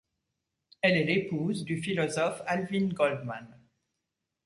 Elle est l'épouse du philosophe Alvin Goldman.